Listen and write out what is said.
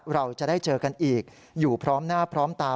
เราจะได้เจอกันอีกอยู่พร้อมหน้าพร้อมตา